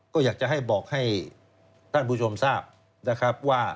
ก็อยากจะให้บอกให้ท่านผู้ชมทราบ